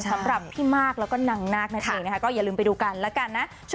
สำหรับพี่มากแล้วก็นางนาคนั่นเองนะคะก็อย่าลืมไปดูกันแล้วกันนะ